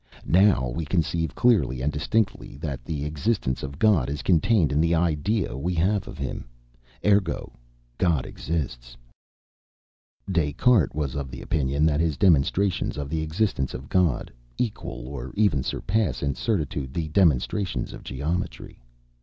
"Now, we conceive clearly and distinctly that the existence of God is contained in the idea we have of him: ergo God exists." (Lewes's Bio. Hist. Phil.) Des Cartes was of opinion that his demonstrations of the existence of God "equal or even surpass in certitude the demonstrations of geometry."